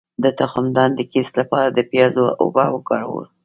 د تخمدان د کیست لپاره د پیاز اوبه وکاروئ